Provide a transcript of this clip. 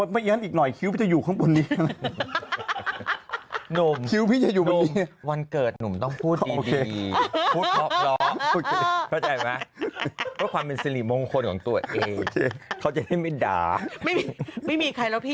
ไม่มีใครแล้วพี่นอกจากอีนุ่มที่จะเล่นกับคุณแม่อย่างนี้ได้